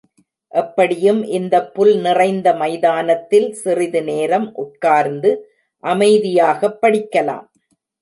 எப்படியும் இந்தப் புல் நிறைந்த மைதானத்தில் சிறிது நேரம் உட்கார்ந்து அமைதியாகப் படிக்கலாம்.